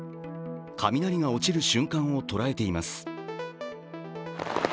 雷が落ちる瞬間を捉えています。